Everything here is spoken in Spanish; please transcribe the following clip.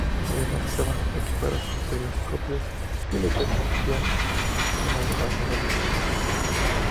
Además estaban equipadas con periscopios que le permitían un mayor ángulo de visión.